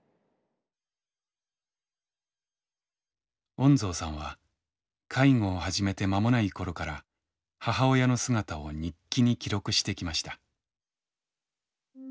恩蔵さんは介護を始めて間もない頃から母親の姿を日記に記録してきました。